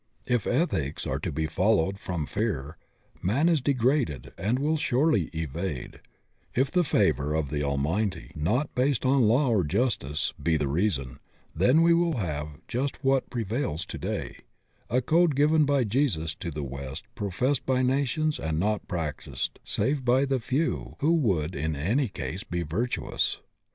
If ethics are to be followed from fear, man is de graded and will surely evade; if the favor of the Al mighty, not based on law or justice, be the reason, then we will have just what prevails today — a code given by Jesus to the west professed by nations and not practised save by the few who would in any case be virtuous.